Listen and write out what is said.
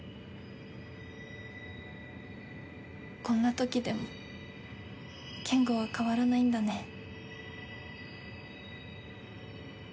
こんなときでもケンゴは変わらないんだね。